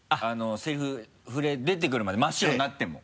セリフ出てくるまで真っ白になっても。